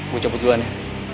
gua cabut duluan ya